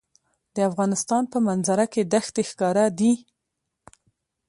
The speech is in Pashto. د افغانستان په منظره کې دښتې ښکاره دي.